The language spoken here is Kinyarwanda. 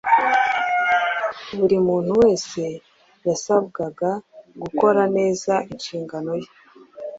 Buri muntu wese yasabwaga gukora neza inshingano ye.